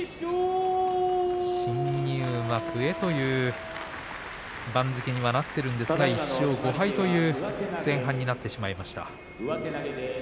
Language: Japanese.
新入幕へという番付にはなっているんですが１勝５敗という前半になってしまいました。